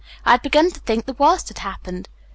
"I had begun to think the worst had happened.